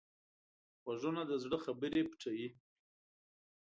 غوږونه د زړه خبرې پټوي